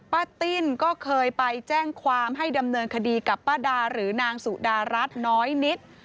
ป้าติ้นก็เคยไปแจ้งความให้ดำเนินคดีกับป้าดาหรือนางสุดารัฐน้อยนิด